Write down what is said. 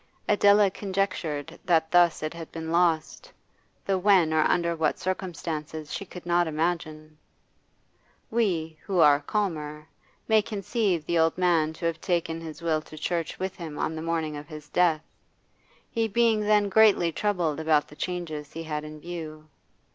Adela conjectured that thus it had been lost, though when or under what circumstances she could not imagine. We, who are calmer, may conceive the old man to have taken his will to church with him on the morning of his death, he being then greatly troubled about the changes he had in view.